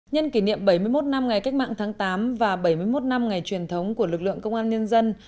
nhân kỷ niệm bảy mươi một năm ngày cách mạng tháng tám và bảy mươi một năm ngày truyền thống của lực lượng công an nhân dân